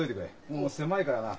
もう狭いからな。